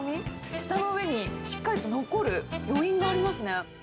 舌の上にしっかりと残る余韻がありますね。